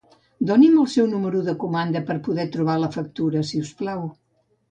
Doni'm el seu número de comanda per poder trobar la factura si us plau.